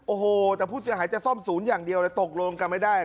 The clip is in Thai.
โอ้โหแต่ผู้เสียหายจะซ่อมศูนย์อย่างเดียวเลยตกลงกันไม่ได้